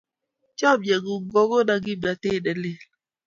Chamyengung ko kona kimnatet ne lel